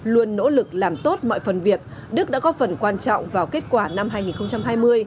luôn nỗ lực làm tốt mọi phần việc đức đã góp phần quan trọng vào kết quả năm hai nghìn hai mươi